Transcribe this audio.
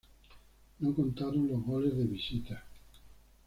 No contaron los goles de visita.